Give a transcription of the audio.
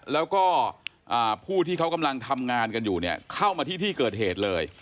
แล้วก็ผู้ที่เขากำลังทำงานกันอยู่เนี่ยเข้ามาที่ที่เกิดเหตุเลย